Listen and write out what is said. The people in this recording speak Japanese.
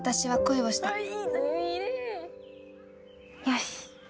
よし。